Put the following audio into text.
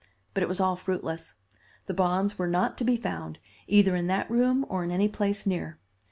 But it was all fruitless. The bonds were not to be found, either in that room or in any place near.